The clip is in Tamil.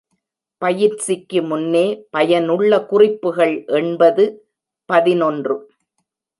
பயிற்சிக்கு முன்னே பயனுள்ள குறிப்புகள் எண்பது பதினொன்று .